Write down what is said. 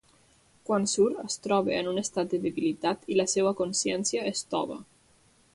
Quan surt es troba en un estat de debilitat i la seva consistència és tova.